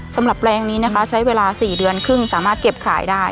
แปลงนี้นะคะใช้เวลา๔เดือนครึ่งสามารถเก็บขายได้